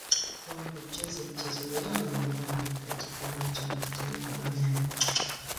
Wao hucheza michezo yao ya nyumbani katika Uwanja wa Taifa wa nyayo.